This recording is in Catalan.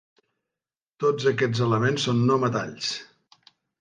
Tots aquests elements són no metalls.